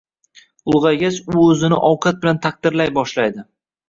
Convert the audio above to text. Ulg‘aygach, u o‘zini o‘zi ovqat bilan “taqdirlay” boshlaydi.